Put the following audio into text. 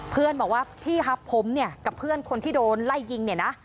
เพื่อนบอกว่าพี่ครับผมเนี่ยกับเพื่อนคนที่โดนไล่ยิงเนี่ยนะ